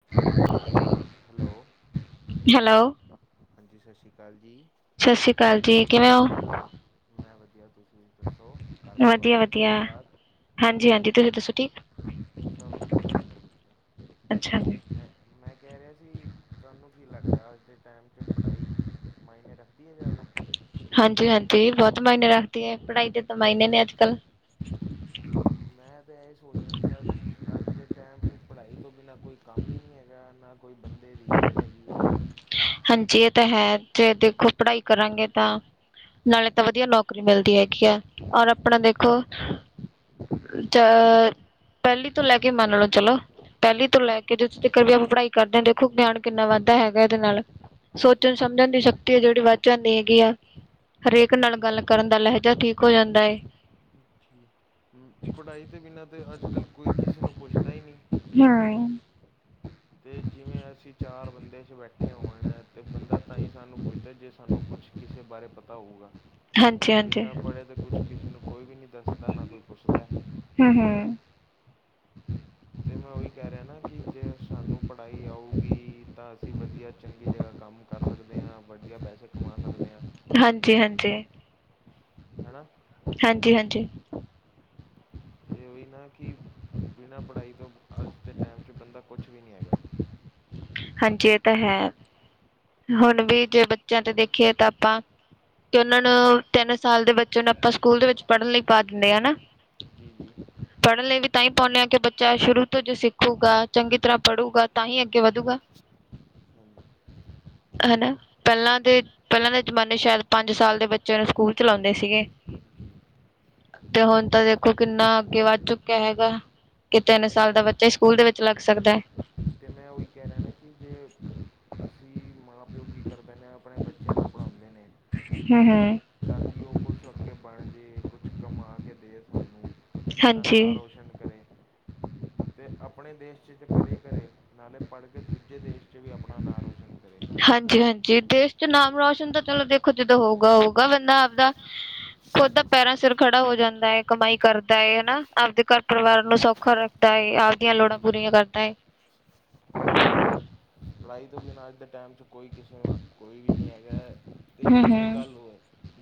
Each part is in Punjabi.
[unintelligible] ਹੈਲੋ, ਹੈਲੋ ਹਾਂਜੀ ਸਤਿ ਸ਼੍ਰੀ ਅਕਾਲ ਜੀ। ਸਤਿ ਸ਼੍ਰੀ ਅਕਾਲ ਜੀ ਕਿਵੇਂ ਹੋ? ਮੈਂ ਵਧੀਆ ਤੁਸੀਂ ਦੱਸੋ ਘਰ ਪਰਿਵਾਰ ਵਧੀਆ ਸਭ ਵਧੀਆ ਠੀਕ ਠਾਕ? ਹਾਂਜੀ -ਹਾਂਜੀ ਤੁਸੀਂ ਦੱਸੋ ਠੀਕ? ਸਭ ਵਧੀਆ ਜੀ, ਸਭ ਅੱਛਾ ਜੀ। ਵਧੀਆ ਮੈਂ ਕਹਿ ਰਿਹਾ ਸੀ ਤੁਹਾਨੂੰ ਕੀ ਲੱਗਦਾ ਅੱਜ ਦੇ ਟਾਈਮ 'ਚ ਪੜ੍ਹਾਈ ਮਾਇਨੇ ਰੱਖਦੀ ਹੈ ਜ਼ਿਆਦਾ? ਹਾਂਜੀ- ਹਾਂਜੀ ਬਹੁਤ ਮਾਈਨ ਰੱਖਦੇ ਆ ਪੜਾਈ ਦੇ ਤੇ ਮਾਈਨੇ ਨੇ ਅੱਜ ਕੱਲ। ਮੈਂ ਤਾਂ ਇਹ ਸੋਚ ਰਿਹਾ ਸੀ ਅੱਜ ਅੱਜ ਦੇ ਟਾਈਮ 'ਚ ਪੜ੍ਹਾਈ ਤੋਂ ਬਿਨਾਂ ਕੋਈ ਕੰਮ ਹੀ ਨਹੀਂ ਹੈਗਾ, ਨਾ ਕੋਈ ਬੰਦੇ ਦੀ ਇੱਜ਼ਤ ਹੈਗੀ ਹੈ। ਹਾਂਜੀ ਇਹ ਤਾਂ ਹੈ ਜੇ ਦੇਖੋ ਪੜਹਾਈ ਕਰਾਂਗੇ ਤਾਂ ਨਾਲੇ ਤਾਂ ਵਧੀਆ ਨੌਕਰੀ ਮਿਲਦੀ ਹੈਗੀ ਆ, ਔਰ ਆਪਣਾ ਦੇਖੋ ਅ ਪਹਿਲੀ ਤੋਂ ਲੈ ਕੇ ਮੰਨ ਲਓ, ਚਲੋ ਪਹਿਲੀ ਤੋਂ ਲੈ ਜੀ ਕੇ ਜੋ ਤੁਸੀਂ ਕਰ ਵੀ ਪੜਾਈ ਕਰਦੇ ਆ, ਦੇਖੋ ਬਿਆਨ ਕਿੰਨਾ ਵੱਧਦਾ ਹੈਗਾ ਇਹਦੇ ਨਾਲ ਸੋਚਣ ਸਮਝਣ ਦੀ ਸ਼ਕਤੀ ਆ ਜਿਹੜੀ ਵੱਧ ਜਾਂਦੀ ਹੈਗੀ ਆ। ਹਰੇਕ ਨਾਲ ਗੱਲ ਕਰਨ ਦਾ ਲਹਿਜਾ ਠੀਕ ਹੋ ਜਾਂਦਾ ਏ। ਪੜਾਈ ਤੇ ਵਿਨਾ ਤੇ ਅੱਜ ਕੱਲ ਕੋਈ ਕਿਸੇ ਨੂੰ ਪੁੱਛਦਾ ਹੀ ਨਹੀਂ। ਹਾਂ। ਤੇ ਜਿਵੇਂ ਅਸੀਂ ਚਾਰ ਬੰਦੇ ਬੈਠੇ ਹੋਣ ਤੇ ਬੰਦਾ ਤਾਂ ਹੀ ਸਾਨੂੰ ਪੁੱਛਦਾ ਜੇ ਸਾਨੂੰ ਕੁਛ ਕਿਸੇ ਬਾਰੇ ਪਤਾ ਹੋਗਾ। ਹਾਂਜੀ ਹਾਂਜੀ ਬਿਨਾ ਪੜੇ ਤੇ ਕੁਝ ਕਿਸੇ ਨੂੰ ਕੋਈ ਵੀ ਨਹੀਂ ਦੱਸਦਾ ਨਾ ਕੋਈ ਪੁੱਛਦਾ। ਹਮ ਹਮ ਤੇ ਮੈਂ ਉਹੀ ਕਹਿ ਰਿਹਾ ਨਾ ਕਿ ਜੇ ਸਾਨੂੰ ਪੜ੍ਹਾਈ ਆਊਗੀ ਤਾਂ ਅਸੀਂ ਵਧੀਆ ਚੰਗੀ ਜਗ੍ਹਾ ਕੰਮ ਕਰ ਸਕਦੇ ਹਾਂ ਵਧੀਆ ਪੈਸੇ ਕਮਾ ਸਕਦੇ ਹਾਂ ਹਾਂਜੀ ਹਾਂਜੀ ਹੈਣਾ ਹਾਂਜੀ ਹਾਂਜੀ ਇਹ ਉਹੀ ਨਾ ਕਿ ਬਿਨਾਂ ਪੜ੍ਹਾਈ ਤੋਂ ਅੱਜ ਦੇ ਟਾਈਮ 'ਚ ਬੰਦਾ ਕੁਛ ਵੀ ਨਹੀਂ ਹੈਗਾ ਹਾਂਜੀ ਇਹ ਤਾਂ ਹੈ ਹੁਣ ਵੀ ਜੇ ਬੱਚਿਆਂ ਤੇ ਦੇਖੀਏ ਤਾਂ ਆਪਾਂ ਕਿ ਉਹਨਾਂ ਨੂੰ ਤਿੰਨ ਸਾਲ ਦੇ ਬੱਚੇ ਨੂੰ ਆਪਾਂ ਸਕੂਲ ਦੇ ਵਿੱਚ ਪੜ੍ਹਨ ਲਈ ਪਾ ਦਿੰਦੇ ਹਾਂ ਹਨਾ ਜੀ ਜੀ ਪੜ੍ਹਨ ਲਈ ਵੀ ਤਾਂ ਹੀ ਪਾਉਂਦੇ ਹਾਂ ਕਿ ਬੱਚਾ ਸ਼ੁਰੂ ਤੋਂ ਜੋ ਸਿੱਖੂਗਾ ਚੰਗੀ ਤਰ੍ਹਾਂ ਪੜ੍ਹੂਗਾ ਤਾਂ ਹੀ ਅੱਗੇ ਵਧੂਗਾ ਹਾਂਜੀ ਹਨਾ ਪਹਿਲਾਂ ਦੇ ਪਹਿਲਾਂ ਦੇ ਜਮਾਨੇ ਸ਼ਾਇਦ ਪੰਜ ਸਾਲ ਦੇ ਬੱਚਿਆਂ ਨੂੰ ਸਕੂਲ ਚਲਾਉਂਦੇ ਸੀਗੇ ਹਮ ਤੇ ਹੁਣ ਤਾਂ ਦੇਖੋ ਕਿੰਨਾ ਅੱਗੇ ਵੱਧ ਚੁੱਕਿਆ ਹੈਗਾ ਕਿ ਤਿੰਨ ਅਤੇ ਸਾਲ ਮੈਂ ਦਾ ਬੱਚਾ ਸਕੂਲ ਦੇ ਵਿੱਚ ਹਾਂਜੀ ਲੱਗ ਸਕਦਾ ਹੈ ਅਤੇ ਮੈਂ ਉਹੀ ਕਹਿ ਰਿਹਾ ਨਾ ਕਿ ਜੇ ਅਸੀਂ ਮਾਂ ਪਿਓ ਕੀ ਕਰਦੇ ਨੇ ਆਪਣੇ ਬੱਚਿਆਂ ਨੂੰ ਪੜ੍ਹਾਉਂਦੇ ਨੇ ਹੂੰ ਹੂੰ ਤਾਂ ਕਿ ਉਹ ਕੁਛ ਅੱਗੇ ਬਣ ਜਾੇ ਕੁਛ ਕਮਾ ਕੇ ਦੇਵੇ ਸਾਨੂੰ ਸਾਡਾ ਨਾਂ ਹਾਂਜੀ ਰੋਸ਼ਨ ਕਰੇ ਅਤੇ ਆਪਣੇ ਦੇਸ਼ ' ਕਰੇ ਕਰੇ ਨਾਲੇ ਪੜ੍ਹ ਕੇ ਦੂਜੇ ਦੇਸ਼ 'ਚ ਵੀ ਆਪਣਾ ਨਾਂ ਰੋਸ਼ਨ ਕਰੇ ਹਾਂਜੀ ਹਾਂਜੀ ਦੇਸ਼ ਚ ਨਾਮ ਰੋਸ਼ਨ ਤਾਂ ਚਲੋ ਦੇਖੋ ਜਦੋਂ ਹੋਊਗਾ ਹੋਊਗਾ ਬੰਦਾ ਆਪਦਾ ਖੁਦ ਦਾ ਪੈਰਾਂ ਸਿਰ ਖੜ ਖੜਾ ਹੋ ਜਾਂਦਾ ਹੈ ਕਮਾਈ ਕਰਦਾ ਹੈ ਹਨਾ ਆਪਦੇ ਘਰ ਪਰਿਵਾਰ ਨੂੰ ਸੌਖਾ ਰੱਖਦਾ ਹੈਏ ਆਪਦੀਆਂ ਲੋੜਾਂ ਜੀ ਜੀ ਪੂਰੀਆਂ ਕਰਦਾ ਹੈ ਜੀ ਜੀ ਪੜ੍ਹਾਈ ਤੋਂ ਬਿਨਾਂ ਅੱਜ ਦੇ ਟਾਈਮ 'ਚ ਕੋਈ ਕਿਸੇ ਨੂੰ ਕੋਈ ਵੀ ਨਹੀਂ ਹੈਗਾ ਅਤੇ ਹੂੰ ਇੱਕ ਹੂੰ ਗੱਲ ਹੋਰ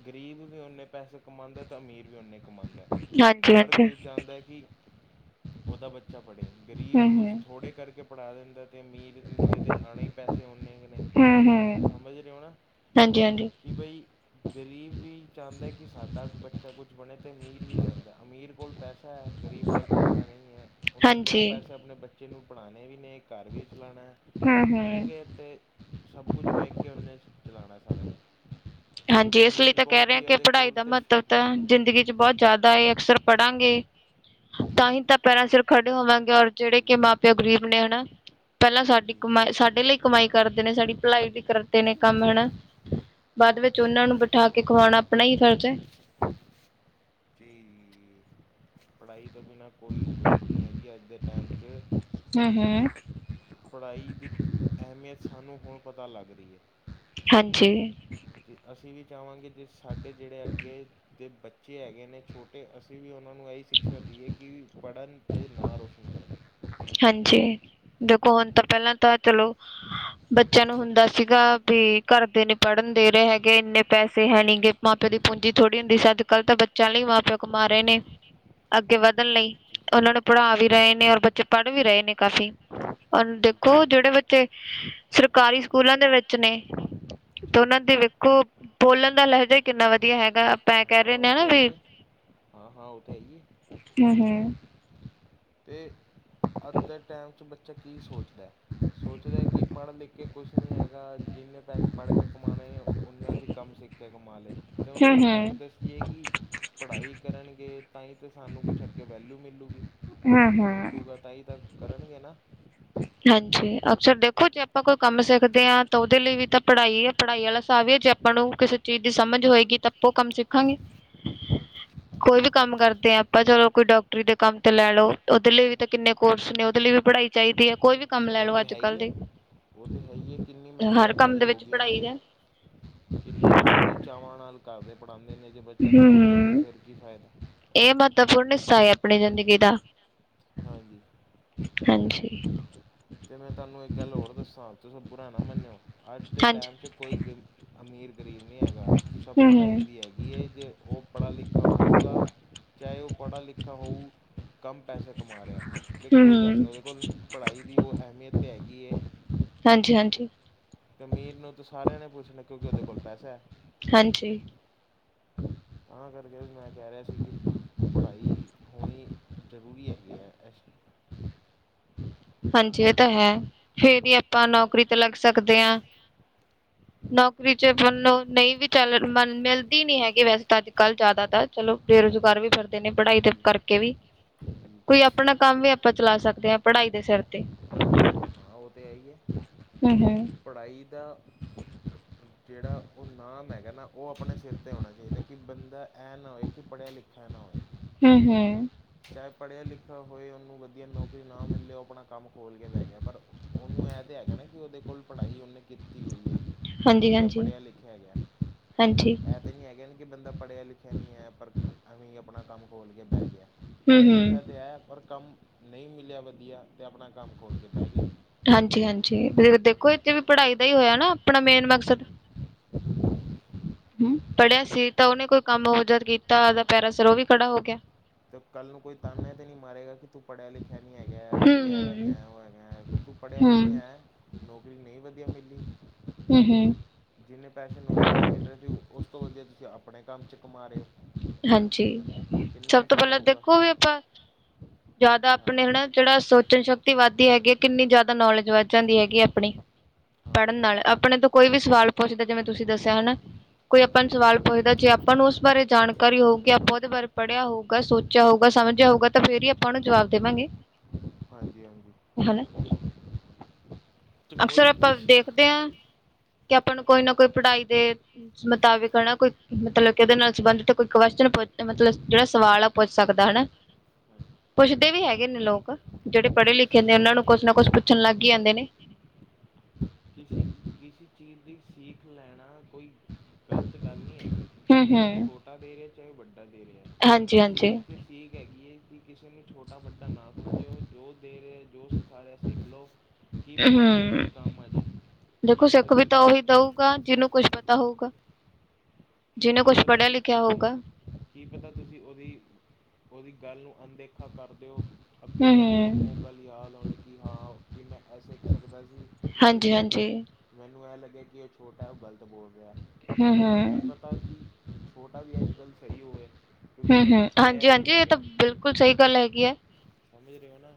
ਗਰੀਬ ਵੀ ਉਨੇ ਪੈਸੇ ਕਮਾਦੇ ਅਤੇ ਅਮੀਰ ਵੀ ਉਨੇ ਕਮਉਦਾ ਹਾਂਜੀ ਹਰ ਹਾਂਜੀ ਕੋਈ ਚਾਹੁੰਦਾ ਹੈ ਕਿ ਉਹਦਾ ਬੱਚਾ ਪੜ੍ਹੇ ਗਰੀਬ ਹੂੰ ਕੁਛ ਹੂੰ ਥੋੜ੍ਹੇ ਕਰਕੇ ਪੜ੍ਹਾ ਦਿੰਦਾ ਅਤੇ ਅਮੀਰ ਤੇ ਆਉਣੇ ਹੀ ਪੈਸੇ ਹੁੰਨੇ ਕਿ ਨੇ ਹੂੰ ਹੂੰ ਸਮਝ ਰਹੇ ਹੋ ਨਾ ਹਾਂਜੀ ਹਾਂਜੀ ਕਿ ਬਈ ਗਰੀਬ ਵੀ ਚਾਹੁੰਦਾ ਕਿ ਸਾਡਾ ਬੱਚਾ ਕੁਛ ਬਣੇ ਅਤੇ ਅਮੀਰ ਵੀ ਚਾਹੁੰਦਾ ਅਮੀਰ ਕੋਲ ਪੈਸਾ ਹੈ ਗਰੀਬ ਕੋਲ ਪਸਾ ਨਹੀਂ ਹੈ ਉਹਨੇ ਹਾਂਜੀ ਦੋ ਪੈਸੇ ਆਪਣੇ ਬੱਚੇ ਬੱਚੇ ਨੂੰ ਪਣਾਉਣੇ ਵੀ ਨੇ ਘਰ ਵੀ ਚਲਾਉਣਾ ਹੂੰ ਠੀਕ ਹੂੰ ਹੈ ਅਤੇ ਸਭ ਕੁਝ ਵੇਖ ਕੇ ਉਹਨੇ ਚਲਾਉਣਾ ਸਾਰਾ ਕੁ ਹਾਂਜੀ ਇਸ ਲਈ ਤਾਂ ਕਹਿ ਰਹੇ ਕਿ ਪੜ੍ਹਾਈ ਦਾ ਮਹੱਤਵ ਤਾਂ ਜੀ ਜੀ ਜ਼ਿੰਦਗੀ ਬਹੁਤ ਜ਼ਿਆਦਾ ਅਕਸਰ ਪੜਾਂਗੇ ਤਾਂ ਹੀ ਤਾਂ ਪੈਰਾਂ ਸਿਰ ਖੜੇ ਹੋਵਾਂਗੇ ਔਰ ਜਿਹੜੇ ਜੀ ਕਿ ਮਾਂ ਪਿਓ ਗ਼ਰੀਬ ਨੇ ਹਨਾ ਪਹਿਲਾਂ ਜੀ ਸਾਡੀ ਜੀ ਕਮਾਈ ਸਾਡੇ ਲਈ ਕਮਾਈ ਕਰਦੇ ਨੇ ਸਾਡੀ ਭਲਾਈ ਲਿਏ ਕਰਦੇ ਨੇ ਕੰਮ ਜੀ ਹਨਾ ਬਾਅਦ ਵਿੱਚ ਉਹਨਾਂ ਨੂੰ ਹਾਂਜੀ ਬਿਠਾ ਕੇ ਖਵਾਉਣਾ ਆਪਣਾ ਹੀ ਫਰਜ਼ ਹੈ ਜੀ ਪੜ੍ਹਾਈ ਤੋਂ ਬਿਨਾਂ ਕੋਈ ਕੁਛ ਨਹੀਂ ਹੈ ਜੀ ਅੱਜ ਦੇ ਟਾਈਮ 'ਚ ਹਮ ਹਮ ਪੜ੍ਹਾਈ ਦੀ ਅਹਿਮੀਅਤ ਸਾਨੂੰ ਹੁਣ ਪਤਾ ਲੱਗ ਰਹੀ ਹੈ ਹਾਂਜੀ ਅਤੇ ਅਸੀਂ ਵੀ ਚਾਹਵਾਂਗੇ ਜੇ ਸਾਡੇ ਜਿਹੜੇ ਅੱਗੇ ਦੇ ਬੱਚੇ ਹੈਗੇ ਨੇ ਛੋਟੇ ਅ ਅਸੀਂ ਵੀ ਉਹਨਾਂ ਨੂੰ ਇਹੀ ਸਿਕਸ਼ਾ ਦੇਈਏ ਕਿ ਪੜ੍ਹਨ ਅਤੇ ਨਾਂ ਰੋਸ਼ਨ ਕਰਨ ਹਾਂਜੀ ਦੇਖੋ ਹੁਣ ਤਾਂ ਪਹਿਲਾਂ ਤਾਂ ਚਲੋ ਬੱਚਿਆਂ ਨੂੰ ਹੁੰਦਾ ਸੀਗਾ ਵੀ ਘਰਦੇ ਨੀ ਪੜਨ ਦੇ ਰਹੇ ਹੈਗੇ। ਇੰਨੇ ਪੈਸੇ ਹੈ ਨੀ ਕੇ ਮਾਪੇ ਦੀ ਪੂੰਜੀ ਥੋੜੀ ਹੁੰਦੀ ਸੀ। ਅੱਜ ਕੱਲ ਤਾਂ ਬੱਚ ਚਾਲੀ ਮਾਂ ਪਿਓ ਕਮਾ ਰਹੇ ਨੇ ਅੱਗੇ ਵਧਨ ਲਈ ਉਨਾਂ ਨੂੰ ਪੜ੍ਹਾ ਵੀ ਰਹੇ ਨੇ। ਔਰ ਬੱਚੇ ਪੜ ਵੀ ਰਹੇ ਨੇ ਕਾਫੀ ਜੀ। ਦੇਖੋ ਜੇੜੇ ਬੱਚੇ ਸਰਕਾਰੀ ਸਕੂਲਾਂ ਦੇ ਵਿੱਚ ਨੇ। ਜੀ ਤੇ ਜੀ ਉਨਾਂ ਦੇ ਵੇਖੋ ਬੋਲਨ ਦਾ ਲਹਿਜਾ ਹੀ ਕਿੰਨਾ ਵਧੀਆ ਹੈਗਾ। ਆਪਾਂ ਕਹਿ ਹਾਂ ਰਹੇ ਔਹ ਨੇ ਨਾ ਤਾਂ ਵੀ ਆਈਏ ਹਾਂ ਹਾਂ ਉਹ ਤਾਂ ਆਈਏ ਕਿਆ ਹੈ। ਤੇ ਅੱਜ ਦੇ ਟੈਮ ਚ ਬੱਚਾ ਕੀ ਸੋਚਦਾ, ਸੋਚਦਾ ਕਿ ਪੜ੍ਹ ਲਿਖ ਕੇ ਕੁਛ ਨਹੀਂ ਹੈਗਾ। ਜਿੰਨੇ ਪੈਸੇ ਪੜ ਕੇ ਕਮਾਨੇ ਉੇਨਾ ਅਸੀ ਕੰਮ ਸਿੱਖ ਕੇ ਕਮਾ ਲਏ। ਤੇ ਉਨਾਂ ਹੂੰ ਨੂੰ ਕੌਨ ਹੂੰ ਦੱਸੀਏ ਕਿ ਪੜਾਈ ਕਰਨਗੇ ਤਾਂ ਹੀ ਤਾਂ ਸਾਨੂੰ ਕੁਛ ਅੱਗੇ ਵੈਲਿਯੂ ਮਿਲਲੇਗੀ। ਹੂੰ ਕੁਛ ਹੂੰ ਮਿਲੂਗਾ ਤਾਂ ਹੀ ਤਾਂ ਕਰਨਗੇ ਨਾ। ਹਂਜੀ, ਅਕਸਰ ਦੇਖੋ ਜੇ ਆਪਾਂ ਕੋਈ ਕੰਮ ਸਿੱਖਦੇ ਹਾਂ ਤਾਂ ਔਦੇ ਲਈ ਵੀ ਤਾਂ ਪੜਾਈ ਹੈ। ਪੜਾਈ ਵਾਲਾ ਹਿਸਾਬ ਵੀ ਹੈ ਜੇ ਆਪਾਂ ਨੂੰ ਕਿਸੇ ਚੀਜ਼ ਦੀ ਸਮਝ ਹੋਏਗੀ ਤਾਂ ਆਪੋ ਕੰਮ ਸਿੱਖਾਂਗੇ। ਕੋਈ ਵੀ ਕੰਮ ਕਰਦੇ ਹਾਂ ਆਪਾਂ ਚਲੋ ਕੋਈ ਡਾਕਟਰੀ ਦੇ ਕੰਮ ਤੇ ਲੈ ਲੋਔਦੇ ਲਈ ਵੀ ਤਾਂ ਕਿਨੇ ਕੋਰਸ ਨੇ ਔਦੇ ਲਈ ਵੀ ਪੜਾਈ ਚੈਦੀ ਹੈ। ਕੋਈ ਵੀ ਕੰਮ ਲੈ ਲੋ ਅੱਜ ਕੱਲ ਦੇ ਔਹ ਤਾਂ ਹੈਗੀ ਏ ਕਿੰਨੀ ਮਹਿੰਗੀਆਂ ਹਰ ਕੰਮ ਪੜਾਈ ਦੇ ਹੋ ਵਿੱਚ ਗਈਆਂ ਪੜ੍ਹਾਈ ਨੇ। ਦਾ ਕਿੰਨੇ ਕਿੰਨੇ ਚਾਵਾਂ ਨਾਲ ਘਰਦੇ ਪੜਾਂਦੇ ਨੇ ਜੇ ਬੱਚਾ ਨਾ ਪੜੇ ਹਮ-ਹਮ ਤਾਂ ਫੇਰ ਕੀ ਫੈਦਾ। ਇਹ ਮਹੱਤਵਪੂਰਨ ਹਿੱਸਾ ਅਪਨੀ ਜ਼ਿੰਦਗੀ ਦਾ। ਹਾਂਜੀ, ਹਂਜੀ, ਤੇ ਮੈਂ ਤੁੱਨੂੰ ਇੱਕ ਗੱਲ ਹੋਰ ਦੱਸਾਂ ਤੁਸੀਂ ਬੁਰਾ ਨਾ ਮੰਨਿਔ ਅੱਜ ਦੇ ਟੈਮ ਚ ਹਾਂਜੀ ਕੋਈਵਿਰਲਾ ਅਮੀਰ ਗਰੀਬ ਨੀ ਹੈਗਾ। ਸਭ ਪੜਾਈ ਦੀ ਹੈਗੀ ਏ ਤੇ ਔਹ ਪੜਾ ਲਿਖਾ ਹੋਊਗਾ। ਚਾਹੇ ਔਹ ਪੜਾ ਲਿਖਾ ਹੋਊ। ਕਮ ਪੈਸੇ ਕਮਾ ਰੈ ਤੇ ਕੋਈ ਗੱਲ ਹਮ-ਹਮ-ਹਮ-ਹਮ ਨੀ ਔਦੇ ਕੋਲ ਪੜਾਈ ਦੀ ਔਹ ਅਹਿਮੀਅਤ। ਕਿਤੇ ਹੈਗੀ ਏ। ਹਂਜੀ, ਹਂਜੀ। ਅਮੀਰ ਨੂੰ ਤਾਂ ਸਾਰਿਆਂ ਨੇ ਪੁੱਛਨਾਐ ਕਿਉਂਕਿ ਔਦੇ ਕੋਲ ਪੈਸਾ ਹੈ। ਹਂਜੀ, ਤਾਂ ਕਰਕੇ ਵੀ ਮੈਂ ਕਹਿ ਰਿਹਾ ਸੀ। ਕਿ ਪੜਾਈ ਹੋਨੀ ਜ਼ਰੂਰੀ ਹੈਗੀ ਐ ਐਸਟੈਮ। ਹਂਜੀ, ਏਹ ਤਾਂ ਹੈ ਫੇਰ ਹੀ ਆਪਾਂ ਨੌਕਰੀ ਤੇ ਲੱਗ ਸਕਦੇ ਆਂ। ਨੌਕਰੀ ਚ ਆਪਨ ਨੂੰ ਨਹੀਂ ਵੀ ਚੱਲ ਮਿਲਦੀ ਨੀ ਹੈਗੀ ਵੈਸੇ ਤਾਂ ਅੱਜ ਕੱਲ ਜੈ਼ਦਾ ਤਰ। ਚਲੋ ਹਾਂਜੀ ਬੇਰੁਜ਼ਗਾਰ ਵੀ ਫਿਰਦੇ ਨੇ ਪੜਾਈ ਤਾਂ ਜੀ ਕਰਕੇ ਵੀ। ਜੀ ਕੋਈ ਅਪਨਾ ਕੰਮ ਵੀ ਆਪਾਂ ਚਲਾ ਸਕਦੇ ਹਾਂ ਪੜਾਈ ਦੇ ਸਿਰ ਤੇ ਹਾਂ ਔਹ ਤਾਂ ਹੈ ਹੀ ਏ। ਹੂੰ ਹੂੰ। ਪੜਾਈ ਦਾ ਜੇੜਾ ਔਹ ਨਾਮ ਹੈਗਾ ਨਾ ਉਹ ਅਪਨੇ ਸਿਰ 'ਤੇ ਹੌਨਾ ਚੈਦਾ ਕਿ ਬੰਦਾ ਐ ਨਾ ਹੋਵੇ ਕਿ ਪੜਿਆ ਲਿਖਿਆ ਨਾ ਹੋਵੇ। ਹੂੰ ਹੂੰ, ਚਾਹੇ ਪੜ੍ਹਿਆ ਲਿਖਿਆ ਹੋਏ ਉਹਨੂੰ ਵਧੀਆ ਨੌਕਰੀ ਨਾ ਮਿਲੇ ਉਹ ਆਪਣਾ ਕੰਮ ਖੋਲ੍ਹ ਕੇ ਬੈ ਗਿਆ ਪਰ ਉਹਨੂੰ ਇਹਂ ਤੇ ਹੈਗਾ ਨਾ ਕਿ ਉਹਦੇ ਕੋਲ ਪੜ੍ਹਾਈ ਉਹਨੇ ਕੀਤੀ ਹੋਈ ਏ ਵਦੀਆ ਹਾਂਜੀ-ਹਾਂਜੀ, ਪੜ੍ਹਿਆ ਲਿਖਿਆ ਹੈਗਾ ਹਾਂਜੀ। ਇਹ ਤਾਂ ਨਹੀਂ ਹੈਗਾ ਕਿ ਬੰਦਾ ਪੜ੍ਹਿਆ ਲਿਖਿਆ ਨਹੀਂ ਹੈ ਪਰ ਐਵੇਂ ਆਪਣਾ ਕੰਮ ਖੋਲ੍ਹ ਕੇ ਬਹਿ ਗਿਆ ਪੜ੍ਹਿਆ ਲਿਖਿਆ ਹੂੰ-ਹੂੰ। ਤਾਂ ਹੈ ਪਰ ਕੰਮ ਨਹੀਂ ਮਿਲਿਆ ਵਦੀਆ ਤੇ ਆਪਣਾ ਕੰਮ ਖੋਲ੍ਹ ਕੇ ਬਹਿ ਗਿਆ ਹਾਂਜੀ ਹਾਂਜੀ ਦੇਖੋ ਇੱਥੇ ਵੀ ਪੜ੍ਹਾਈ ਦਾ ਹੀ ਹੋਇਆ ਨਾ ਆਪਣਾ ਮੇਨ ਮਕਸਦ ਹੰ ਪੜ੍ਹਿਆ ਸੀ ਤਾਂ ਉਹਨੇ ਕੋਈ ਕੰਮ ਹੋਰ ਜਦ ਕੀਤਾ ਹਾਂ ਉਹਦਾ ਪੈਰਾ ਸਿਰ ਉਹ ਵੀ ਖੜਾ ਹੋ ਗਿਆ। ਤੇ ਕੱਲ ਨੂੰ ਕੋਈ ਤਾਨੇ ਤੇ ਨਹੀਂ ਮਾਰੇਗਾ ਕਿ ਤੂੰ ਪੜ੍ਹਿਆ ਲਿਖਿਆ ਨੀ ਹੈਗਾ ਤੂੰ ਇਹ ਹੂੰ-ਹੂੰ। ਹੈਗਾ ਉਹ ਹੈਂਗਾ ਤੂੰ ਪੜ੍ਹਿਆ ਲਿਖਿਆ ਹੂੰ, ਹੈਂ ਨੌਕਰੀ ਨਹੀਂ ਵਦੀਆ ਮਿਲੀ ਹਮ-ਹਮ ਜਿੰਨੇ ਪੈਸੇ ਨੌਕਰੀ ਚ ਮਿਲ ਰਹੇ ਸੀ ਉਸ ਤੋਂ ਵਦੀਆ ਤੁਸੀਂ ਆਪਨੇ ਕਮ ਚ ਕਮਾ ਰਹੇ ਔ ਹਾਂਜੀ, ਸਭ ਤੋਂ ਪਹਿਲਾਂ ਦੇਖੋ ਵੀ ਆਪਾਂ, ਜ਼ਿਆਦਾ ਹਾਂ ਆਪਨੇ ਹੈਨਾ ਜਿਹੜਾ ਸੋਚਣ ਸ਼ਕਤੀ ਵੱਧਦੀ ਹੈਗੀ ਏ ਕਿੰਨੀ ਜ਼ਿਆਦਾ ਨੌਲੇਜ ਵੱਧ ਜਾਂਦੀ ਹੈਗੀ ਆਪਣੀ ਹਾਂ ਪੜ੍ਹਨ ਨਾਲ ਆਪਣੇ ਤੋਂ ਕੋਈ ਵੀ ਸਵਾਲ ਪੁੱਛਦਾ, ਜਿਵੇਂ ਤੁਸੀਂ ਦੱਸਿਆ ਹੈਨਾ ਕੋਈ ਆਪਾਂ ਨੂੰ ਹਾਂਜੀ ਸਵਾਲ ਪੁੱਛਦਾ ਜੇ ਆਪਾਂ ਨੂੰ ਉਸ ਬਾਰੇ ਜਾਣਕਾਰੀ ਹੋਊਗੀ। ਆਪਾਂ ਉਹਦੇ ਬਾਰੇ ਪੜ੍ਹਿਆ ਹੋਊਗਾ, ਸੋਚਿਆ ਹੋਊਗਾ, ਸਮਝਿਆ ਹੋਊਗਾ ਤਾਂ ਫਿਰ ਹੀ ਆਪਾਂ ਉਹਨੂੰ ਜਵਾਬ ਦੇਵਾਂਗੇ, ਹਾਂਜੀ ਹਾਂਜੀ ਹੈਨਾ ਤੇ ਅਕਸਰ, ਕੋਈ ਆਪਾਂ ਕਿਸ ਦੇਖਦੇ ਹਾਂ। ਕਿ, ਆਪਾਂ ਨੂੰ ਕੋਈ ਨਾ ਕੋਈ ਪੜ੍ਹਾਈ ਦੇ ਮੁਤਾਬਿਕ ਹੈਨਾ ਕੋਈ ਕਿਹਦੇ ਨਾਲ ਸੰਬੰਧਿਤ ਕੋਈ ਕੂਸ਼ਚਨ ਪੂਛਦਾ ਮਤਲਬ ਜਿਹੜਾ ਸਵਾਲ ਆ ਪੁੱਛ ਸਕਦਾ ਹੈਨਾ ਪੁੱਛਦੇ ਵੀ ਹੈਗੇ ਨੇ ਲੋਕ, ਜਿਹੜੇ ਪੜ੍ਹੇ ਲਿਖੇ ਨੇ ਕਿਸ ਉਹਨਾਂ ਨੂੰ ਕੁੱਛ ਨਾ ਕੁੱਛ ਪੁੱਛਣ ਲੱਗ ਈ ਜਾਂਦੇ ਨੇ ਕਿਸੀ ਕਿਸੀ ਚੀਜ਼ ਦੀ ਸੀਖ ਲੈਣਾ ਕੋਈ ਗਲਤ ਗੱਲ ਨਹੀਂ ਹੈਗੀ ਹੂੰ ਚਾਹੇ ਉਹ ਹੂੰ ਛੋਟਾ ਦੇ ਰਿਹਾ, ਚਾਹੇ ਉਹ ਵੱਡਾ ਦੇ ਰਿਹਾ, ਹਾਂਜੀ ਹਾਂਜੀ ਸੀਖ ਤਾਂ ਸੀਖ ਹੈਗੀ ਏ ਕਿ ਕਿਸੇ ਨੂੰ ਛੋਟਾ ਵੱਡਾ ਨਾ ਸਮਝਿਓ, ਜੋ ਦੇ ਰਿਹਾ, ਜੋ ਸਾਰੇ ਸਿੱਖ ਲੋ, ਕੀ ਪਤਾ ਅੱਗੇ ਕੀ ਹੂੰ ਕੰਮ ਆ ਜੇ, ਕੀ ਪਤਾ, ਤੁਸੀਂ ਕੋਨ ਜਿਹਨੂੰ ਕੁਛ ਪਤਾ ਹੋਊਗਾ, ਕੀ ਜਿਹਨੇ ਕੀ ਕੁਛ ਪਤਾ ਪੜ੍ਹਿਆ ਤੁ ਲਿਖਿਆ ਜੀ ਹੋਊਗਾ ਕੀ ਪਤਾ, ਤੁਸੀਂ ਉਹਦੀ, ਉਹਦੀ ਗੱਲ ਨੂੰ, ਅਣਦੇਖਾ ਕਰ ਦੇਓ ਅੱਗੇ ਜਾ ਕੇ ਤੁਹਾਨੂੰ, ਉਹ ਗੱਲ ਯਾਦ ਆਉਣੀ ਕਿ ਹਾਂ, ਕਿ ਮੈਂ ਇਹ ਸਿੱਖ ਸਕਦਾ ਸੀ। ਮੈਂ ਹਾਂਜੀ ਸਿੱਖਿਆ ਨਹੀਂ ਹਾਂਜੀ ਮੈਨੂੰ ਇਹ ਲੱਗਿਆ, ਕਿ ਉਹ ਛੋਟਾ ਹੈ, ਉਹ ਗ਼ਲਤ ਬੋਲ ਰਿਹਾ, ਹਮ ਪਰ ਕੀ ਪਤਾ ਹਮ ਕਿ, ਛੋਟਾ ਵੀ ਅੱਜ-ਕੱਲ ਸਹੀ ਹੋਵੇ। ਕਿਉਂਕਿ ਉਹਨੇ ਪੜ੍ਹਿਆ ਹਾਂਜੀ ਹਾਂਜੀ ਲਿਖਿਆ ਇਹ ਤਾਂ ਗਿਆ ਬਿਲਕੁਲ ਸਹੀ ਗੱਲ, ਹੈਗੀ ਏ ਸਮਝ, ਰਹੋ ਨਾ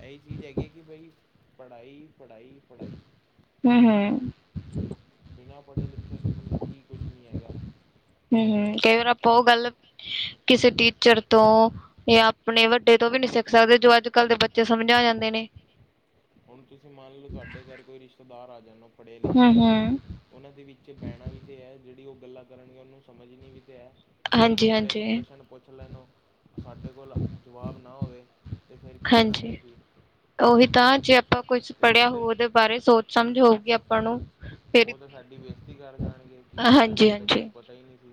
ਏਹੀ ਚੀਜ਼ ਹੈਗੀ, ਕਿ ਬਾਈ ਪੜ੍ਹਾਈ, ਪੜ੍ਹਾਈ, ਪੜ੍ਹਾਈ ਹਮ-ਹਮ ਬਿਨਾਂ ਪੜ੍ਹੇ ਲਿਖੇ ਤੋਂ, ਬੰਦਾ ਕੀ ਕੁਝ ਨਹੀਂ ਹੈਗਾ- ਹੰ ਹੰ ਕਈ ਵਾਰ ਆਪਾਂ ਉਹ ਗੱਲ, ਕਿਸੇ ਟੀਚਰ ਤੋਂ ਇਹ ਆਪਣੇ ਵੱਡੇ ਤੋਂ ਵੀ ਨੀ ਸਿੱਖ ਸਕਦੇ, ਜੋ ਅੱਜ-ਕੱਲ ਦੇ ਬੱਚੇ ਸਮਝਾ ਜਾਂਦੇ ਨੇ ਹੁਨ ਤੁਸੀਂ ਮੰਨ ਲਓ, ਤੁਹਾਡੇ ਘਰ ਕੋਈ ਰਿਸ਼ਤੇਦਾਰ ਆ ਜਾਣ, ਓਹ ਪੜ੍ਹੇ ਲਿਖੇ ਹੂੰ ਹੈਗੇ ਨੇ ਹੂੰ ਉਨਹਾ ਦੇ ਵਿੱਚ ਬਹਿਨਾ ਵੀ ਤੇ ਹੈ, ਜਿਹੜੀ ਉਹ ਗੱਲਾਂ ਕਰਨਗੇ, ਉਹਨੂੰ ਸਮਝਣੀ ਵੀ ਤੇ ਹੈ ਕੋਈ ਹਾਂਜੀ ਸਾਡੇ, ਹਾਂਜੀ ਤੋਂ ਪ੍ਰਸ਼ਨ ਪੁੱਛ ਲੈਣ ਓ ਸਾਡੇ ਕੋਲ ਜਵਾਬ ਨਾ ਹੋਵੇ ਤੇ ਫਿਰ ਕੀ ਕਰਾਂਗੇ ਹਾਂਜੀ ਅਸੀਂ ਉਹੀ ਤਾਂ ਜੇ ਆਪਾਂ ਕੁਛ ਤੇ ਉਹ ਪੜ੍ਹਿਆ ਹੋ, ਤੇ ਉਹਦੇ ਬਾਰੇ ਸੋਚ ਸਮਝ ਹੋਊਗੀ ਆਪਾਂ ਨੂੰ ਫੇਰ ਉਹ ਤਾਂ ਸਾਡੀ ਬੇਇਜ਼ਤੀ ਕਰ ਜਾਣਗੇ। ਕਿ, ਹਾਂਜੀ ਐਨੂੰ ਤਾਂ ਕੁਛ ਹਾਂਜੀ ਪਤਾ ਹੀ ਨਹੀਂ ਸੀ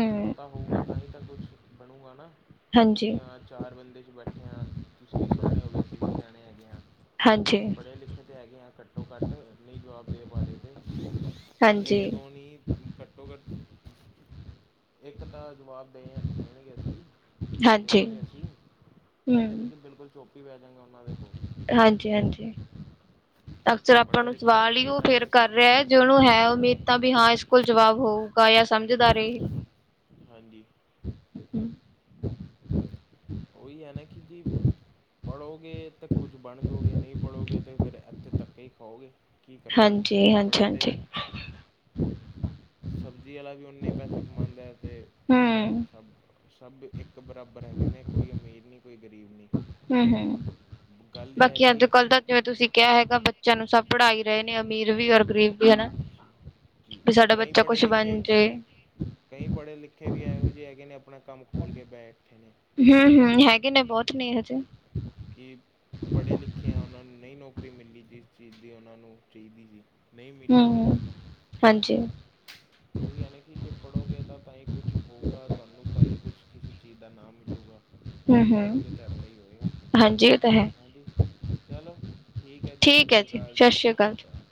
ਕੁਛ ਪਤਾ ਹੋਊਗਾ ਤਾਂ ਹੀ ਤਾਂ ਕੁਛ ਬਣੂਗਾ ਨਾ ਹਾਂਜੀ ਕਿ, ਹਾਂ ਚਾਰ ਬੰਦੇ ਚ ਬੈਠੇ ਹਾਂ, ਤੁਸੀਂ ਵੀ ਸਿਆਣੇ ਹੋ ਗਏ। ਅਸੀਂ ਵੀ ਸਿਆਣੇ ਹੈਗੇ ਹਾਂ ਹਾਂਜੀ ਪੜੇ-ਲਿਖੇ ਤੇ ਹੈਗੇ ਆ ਘੱਟੋ-ਘੱਟ, ਨਈਂ ਜਵਾਬ ਦੇ ਪਾ ਰਏ। ਹਾਂਜੀ ਇੱਕ-ਦੋ ਨੀ ਘੱਟੋ-ਘੱਟ। ਇੱਕ ਤਾਂ ਜਵਾਬ ਦੇਣ ਦੇਣਗੇ ਸੀ। ਹਾਂਜੀ ਦੇਵਾਂਗੇ ਅਸੀਂ, ਐ ਤੇ ਨੀ ਹੂੰ ਬਿਲਕੁਲ ਚੁੱਪ ਈ ਬੈ ਜਾਂਗੇ ਓਨਾਂ ਦੇ ਕੋਲ ਹਾਂਜੀ-ਹਾਂਜੀ। ਅਕਸਰ ਆਪਾਂ ਪੜ੍ਹੇ ਨੂੰ ਲਿਖੇ ਸਵਾਲ ਈ ਹੋਣਗੇ ਓ ਤਾਂ ਹੀ ਫਿਰ ਤਾਂ ਕਰ ਕੁੱਝ ਰੇਆ ਬਣੂਗਾ ਐ ਜੇ ਨਾ ਓਨੂੰ ਹੈ ਉਮੀਦ। ਤਾਂ ਵੀ ਹਾਂ ਇਸ ਕੋਲ ਜਵਾਬ ਹੋਊਗਾ ਯਾ ਸਮਝਦਾਰ ਏਹ। ਹਾਂਜੀ। ਓਈ ਐ ਨਾ ਕਿ ਜੀ ਪੜੋਗੇ ਤੇ ਕੁੱਝ ਬਣ ਜੋਗੇ ਨਈਂ ਪੜੋਗੇ ਤੇ ਫਿਰ ਏਥੇ ਧੱਕੇ ਈ ਖਾਓਗੇ। ਕੀ ਕਰੋਗੇ, ਹਾਂਜੀ ਹਾਂਜੀ ਬਿਨਾਂ ਪੜੇ ਤੇ ਹਾਂਜੀ ਸਬਜ਼ੀ ਆਲਾ ਵੀ ਓਨੇ ਈ ਪੈਸਾ ਕਮਾਂਦੈ ਤੇ ਹੂੰ ਸਬ ਸਬ ਇੱਕ ਬਰਾਬਰ ਹੈਗੇ ਨੇ, ਕੋਈ ਅਮੀਰ ਨੀ ਕੋਈ ਗਰੀਬ ਨੀ। ਹੂੰ-ਹੂੰ, ਬਾਕੀ ਅੱਜ-ਕੱਲ ਤਾ ਜਿਵੇਂ ਤੁਸੀਂ ਕਿਆ ਹੈਗਾ ਬੱ ਬੱਚੇਆਂ ਨੂੰ ਸਬ ਪੜਾ ਈ ਰਏ ਨੇ ਅਮੀਰ ਵੀ ਔਰ ਗਰੀਬ ਵੀ ਹਨਾ। ਜੀ ਵੀ ਸਾਡਾ ਕਈ ਬੱਚਾ ਕੁਛ ਪੜੇ-ਲਿਖੇ ਬਣ ਜੇ ਹਾਂਜੀ। ਕਈ ਪੜੇ-ਲਿਖੇ ਵੀ ਐਹੋ ਜੇ ਹੈਗੇ ਨੇ, ਆਪਣਾ ਕੰਮ ਖੋਲ ਕੇ ਬੈਠੇ ਨੇ। ਹੂੰ-ਹੂੰ ਹੈਗੇ ਨੇ ਬੋਤ ਨੇ ਏਹੋ ਜੇ। ਕੀ ਪੜੇ-ਲਿਖੇ ਐ, ਓਨਾਂ ਨੂੰ ਨਈਂ ਨੌਕਰੀ ਮਿਲੀ ਜਿਸ ਚੀਜ਼ ਦੀ ਓਨਾਂ ਨੂੰ ਚਾਈਦੀ ਸੀ। ਨਹੀਂ ਮਿਲ ਹੂੰ-ਹੂੰ, ਪਾਊਗੀ ਹਾਂਜੀ। ਓਹੀ ਐ ਨਾ ਕੀ ਜੇ ਪੜੋਗੇ ਤਾਂ-ਤਾਂਈ ਕੁਛ ਹੋਊਗਾ, ਤੁਆਨੂੰ ਤਾਂ ਈ ਕੁਛ ਕਿਸੀ ਚੀਜ਼ ਦਾ ਨਾਮ ਮਿਲੂਗਾ। ਹੂੰ ਨਈਂ ਹੂੰ ਪੜੋਗੇ ਤਾਂ ਏਦਾਂ ਈ ਹੋਏਗਾ ਹਾਂਜੀ ਇਹ ਤਾਂ ਹੈ ਹਾਂਜੀ, ਚਲੋ। ਠੀਕ ਐ ਜੀ, ਹੈ ਸਸ਼੍ਰੀ ਕਾਲ ਸਤਿ ਜੀ, ਸ੍ਰੀ ਸਸ਼੍ਰੀ ਅਕਾਲ ਕਾਲ।